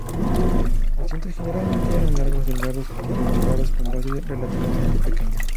Los dientes generalmente eran largos, delgados y recurvados, con bases relativamente pequeñas.